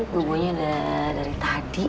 bobonya udah dari tadi